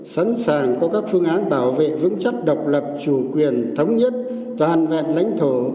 sẵn sàng có các phương án bảo vệ vững chắc độc lập chủ quyền thống nhất toàn vẹn lãnh thổ